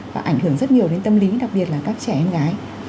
và ảnh hưởng rất nhiều đến tâm lý đặc biệt là các trẻ em gái